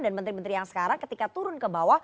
dan menteri menteri yang sekarang ketika ini